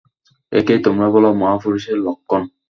একেই তোমরা বল মহাপুরুষের লক্ষণ!